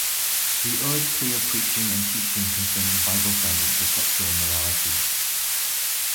We urge clear preaching and teaching concerning Bible standards of sexual morality.